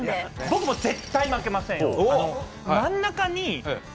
僕も絶対負けませんよ。